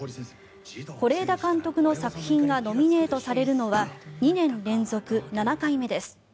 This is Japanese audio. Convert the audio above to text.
是枝監督の作品がノミネートされるのは２年連続７回目です。